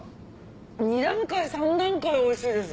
２段階３段階おいしいです。